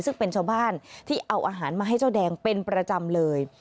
ซึ่งเป็นชาวบ้านที่เอาอาหารมาให้เจ้าแดงเป็นประจำเลย